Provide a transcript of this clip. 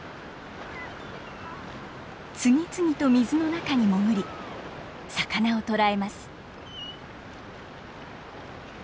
次々と水の中に潜り魚を捕らえます。